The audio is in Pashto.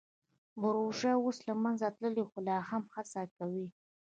بورژوا اوس له منځه تللې خو لا هم هڅه کوي.